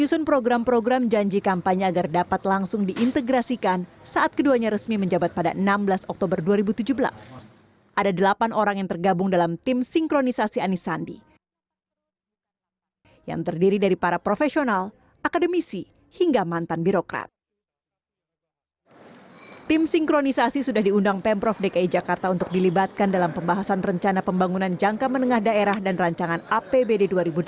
sinkronisasi sudah diundang pemprov dki jakarta untuk dilibatkan dalam pembahasan rencana pembangunan jangka menengah daerah dan rancangan apbd dua ribu delapan belas